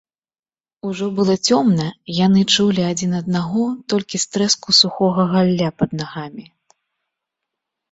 Ужо было цёмна, яны чулі адзін аднаго толькі з трэску сухога галля пад нагамі.